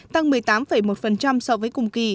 tăng một mươi tám một so với cùng kỳ